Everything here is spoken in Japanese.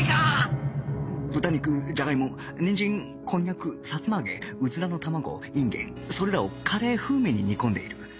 豚肉じゃがいもにんじんこんにゃくさつま揚げうずらの卵インゲンそれらをカレー風味に煮込んでいる